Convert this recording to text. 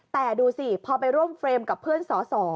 แต่ดูสิพอไปร่วมเฟรมกับเพื่อนสอสอ